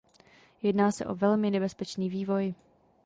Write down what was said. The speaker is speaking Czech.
Jedná se o velmi nebezpečný vývoj.